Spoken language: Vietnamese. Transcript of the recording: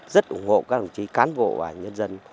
rất ủng hộ các đồng chí cán bộ và nhân dân